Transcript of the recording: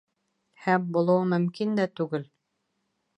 Һәм булыуы мөмкин дә түгел!